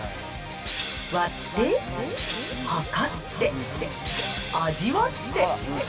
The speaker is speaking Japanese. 割って、量って、味わって。